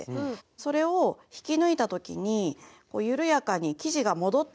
それを引き抜いた時に緩やかに生地が戻っていくんです。